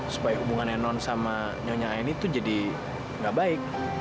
supaya hubungannya non sama nyonya aini tuh jadi gak baik